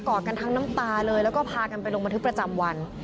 อดกันทั้งน้ำตาเลยแล้วก็พากันไปลงบันทึกประจำวัน